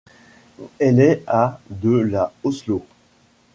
Elle est à de la Oslo.